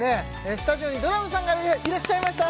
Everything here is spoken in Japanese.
スタジオにドラムさんがいらっしゃいました